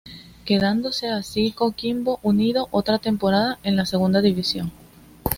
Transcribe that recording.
Quedándose así Coquimbo Unido otra temporada en la Segunda División.